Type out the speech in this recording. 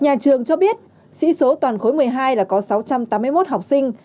nhà trường cho biết sĩ số toàn khối một mươi hai là có sáu trăm tám mươi một học sinh